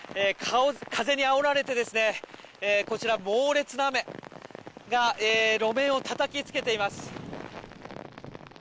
風にあおられて猛烈な雨が路面をたたきつけています。